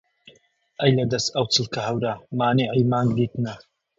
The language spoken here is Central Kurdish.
ئەی لە دەس ئەو چڵکە هەورە مانیعی مانگ دیتنە